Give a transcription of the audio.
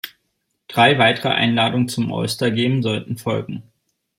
Drei weitere Einladungen zum All-Star Game sollten folgen.